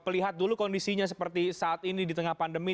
pelihat dulu kondisinya seperti saat ini di tengah pandemi